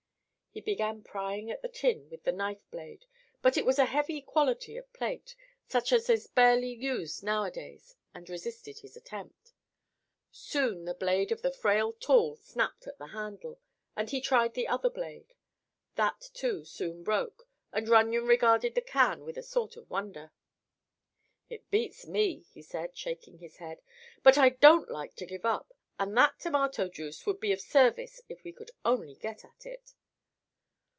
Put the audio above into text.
He began prying at the tin with a knife blade, but it was a heavy quality of plate, such as is rarely used nowadays, and resisted his attempt. Soon the blade of the frail tool snapped at the handle, and he tried the other blade. That, too, soon broke and Runyon regarded the can with a sort of wonder. "It beats me," he said, shaking his head. "But I don't like to give up, and that tomato juice would be of service if we could only get at it."